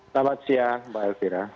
selamat siang mbak elvira